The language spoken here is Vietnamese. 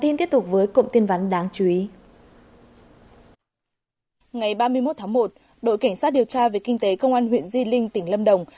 ngày ba mươi một tháng một đội cảnh sát điều tra về kinh tế công an huyện di linh tỉnh lâm đồng